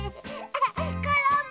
コロンも！